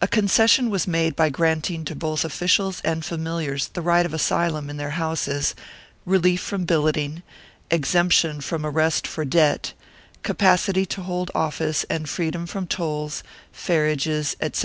A concession was made by granting to both officials and familiars the right of asylum in their houses, relief from billeting, exemption from arrest for debt, capacity to hold office and freedom from tolls, ferriages, etc.